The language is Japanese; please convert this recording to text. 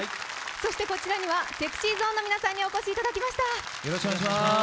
そしてこちらにはＳｅｘｙＺｏｎｅの皆さんにお越しいただきました。